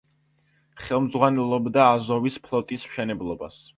ხელმძღვანელობდა აზოვის ფლოტის მშენებლობას.